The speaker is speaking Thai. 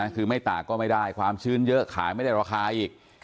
คือไม่ตากก็ไม่ได้ความชื้นเยอะขายไม่ได้ราคาอีก